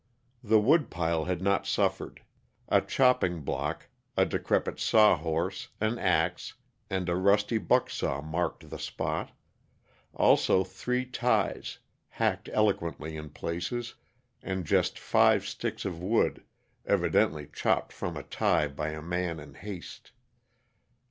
The woodpile had not suffered. A chopping block, a decrepit sawhorse, an axe, and a rusty bucksaw marked the spot; also three ties, hacked eloquently in places, and just five sticks of wood, evidently chopped from a tie by a man in haste.